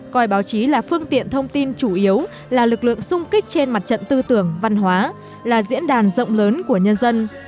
coi báo chí là phương tiện thông tin chủ yếu là lực lượng sung kích trên mặt trận tư tưởng văn hóa là diễn đàn rộng lớn của nhân dân